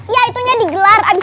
ya itu nya digelar